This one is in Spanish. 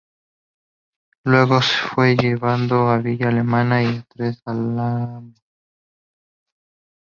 Luego fue llevado a Villa Alemana y a Tres Álamos.